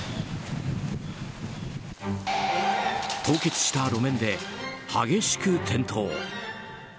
凍結した路面で激しく転倒。